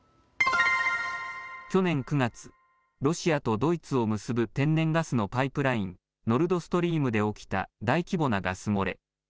去年９月、ロシアとドイツを結ぶ天然ガスのパイプライン、ノルドストリームで起きた大規模なガス漏れ。